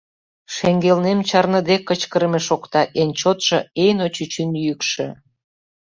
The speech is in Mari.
Шеҥгелнем чарныде кычкырыме шокта, эн чотшо – Эйно чӱчӱн йӱкшӧ.